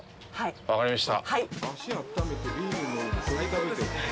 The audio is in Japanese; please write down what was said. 分かりました。